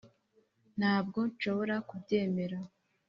ntabwo nshobora kubyemera.